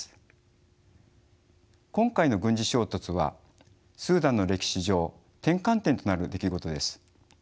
今回の軍事衝突はスーダンの歴史上転換点となる出来事です。